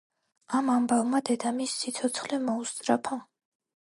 ამ ამბავმა დედამისს სიცოცხლე მოუსწრაფა.